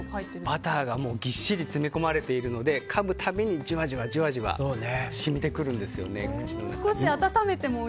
バターがぎっしり詰め込まれているのでかむ度にジュワジュワ染みてくるんですよね。